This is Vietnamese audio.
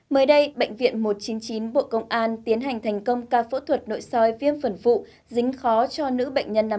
mới đây bệnh viện một trăm chín mươi chín bộ công an tiến hành thành công ca phẫu thuật nội soi viêm phần phụ dính khó cho nữ bệnh nhân năm hai nghìn hai